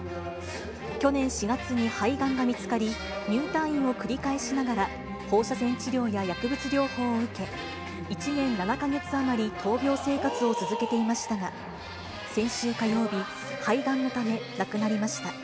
去年４月に肺がんが見つかり、入退院を繰り返しながら、放射線治療や薬物療法を受け、１年７か月余り闘病生活を続けていましたが、先週火曜日、肺がんのため亡くなりました。